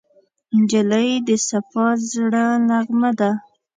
نجلۍ د صفا زړه نغمه ده.